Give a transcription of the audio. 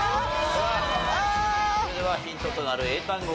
それではヒントとなる英単語